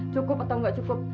cukup atau nggak cukup